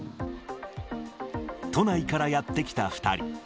都内からやって来た２人。